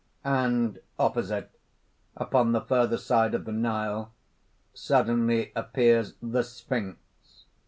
] (_And opposite, upon the further side of the Nile, suddenly appears the Sphinx.